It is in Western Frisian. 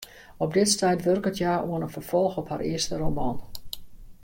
Op dit stuit wurket hja oan in ferfolch op har earste roman.